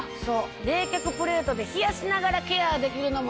冷却プレートで冷やしながらケアできるのもいいよね。